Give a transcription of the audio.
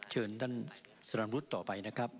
เชิญท่านสารวุฒิต่อไปนะครับ